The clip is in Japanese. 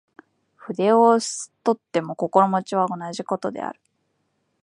筆を執とっても心持は同じ事である。